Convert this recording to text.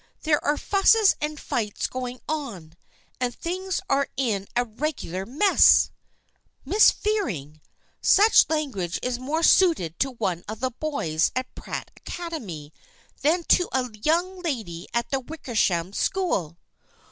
There are fusses and fights going on, and things are in a regular mess." " Miss Fearing ! Such language is more suited to one of the boys at Pratt Academy than to a young lady at the Wickersham School